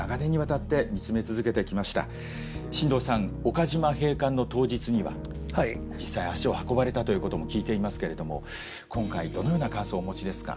岡島閉館の当日には実際足を運ばれたということも聞いていますけれども今回どのような感想をお持ちですか？